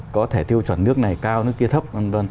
có thể tiêu chuẩn nước này cao nước kia thấp